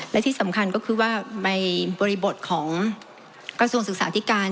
และที่สำคัญก็คือว่าในบริบทของกระทรวงศึกษาธิการ